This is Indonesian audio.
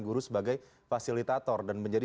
guru sebagai fasilitator dan menjadi